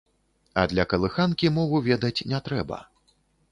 А для калыханкі мову ведаць не трэба.